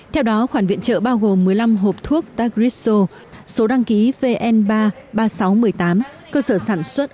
theo đó khoản viện trợ bao gồm một mươi năm hộp thuốc tagriso số đăng ký vn ba ba nghìn sáu trăm một mươi tám cơ sở sản xuất